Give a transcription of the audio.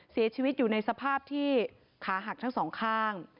เสียชีวิตอยู่ในสภาพที่ขาหักทั้งสองข้าง